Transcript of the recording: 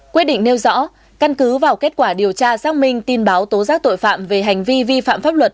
quyết định nêu rõ căn cứ vào kết quả điều tra xác minh tin báo tố giác tội phạm về hành vi vi phạm pháp luật